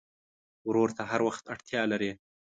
ورور ته هر وخت اړتیا لرې.